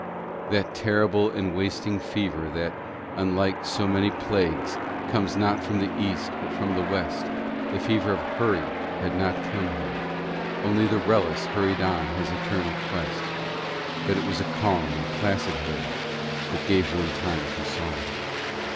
That terrible and wasting fever that, unlike so many plagues, comes not from the East but from the West, the fever of hurry, had not come here only the Wrellis hurried on his eternal quest, but it was a calm and placid hurry that gave one time for song.